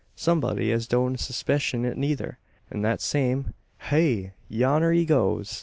Somebody as don't suspeeshun it neyther, an that same . Heigh! Yonner he goes!